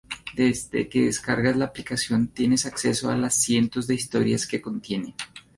Desde que descargas la aplicación, tienes acceso a las cientos de historias que contiene.